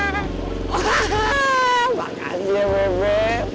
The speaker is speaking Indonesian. makasih ya bebe